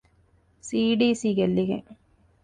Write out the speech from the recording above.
ސީ.ޑީ.ސީ ގެއްލިގެން